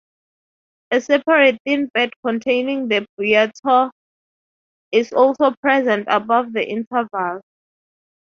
A separate thin bed containing the biota is also present about above the interval.